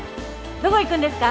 どこ行くんですか？